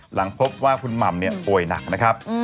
หลังพบว่าคุณหม่ำป่วยหนักนะครับ